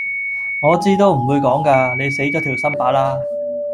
我知都唔會講㗎⋯你死左條心罷啦～